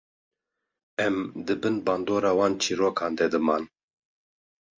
Em di bin bandora wan çîrokan de diman.